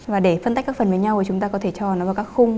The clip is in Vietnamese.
và để phân tách các phần với nhau thì chúng ta có thể trò nó vào các khung